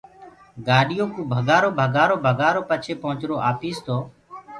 گآڏيو ڪو ڀگآرو بگآرو ڀگآرو پڇي پهنٚچرونٚ آپيٚس تو